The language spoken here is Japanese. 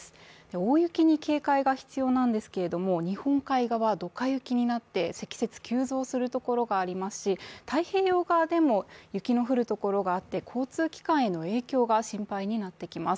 大雪に警戒が必要なんですけれども、日本海側はどか雪になって積雪急増するところがありますし太平洋側でも雪の降るところがあって、交通機関への影響が心配になってきます。